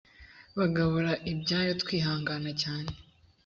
bagabura ibyayo twihangana cyane